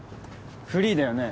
フリーだよね？